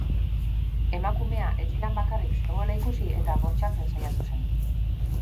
Emakumea etxean bakarrik zegoela ikusi eta bortxatzen saiatu zen.